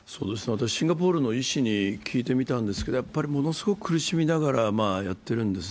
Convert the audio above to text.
私、シンガポールの医師に聞いてみたんですけど、やはりものすごく苦しみながらやってるんですね。